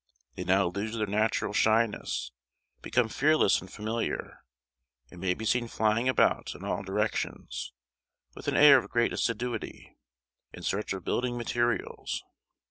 They now lose their natural shyness, become fearless and familiar, and may be seen flying about in all directions, with an air of great assiduity, in search of building materials.